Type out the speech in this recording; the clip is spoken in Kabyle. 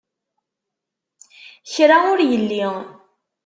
Kra ur yelli.